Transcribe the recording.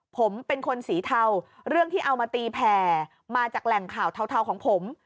ผมเป็นคนสีเทาเรื่องที่เอามาตีแผ่มาจากแหล่งข่าวเทาของผม